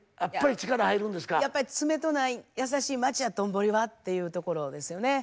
やっぱり「冷めとないやさしい街や道頓堀は」っていうところですよね。